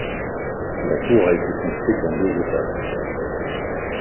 La tour a été construite en deux étapes.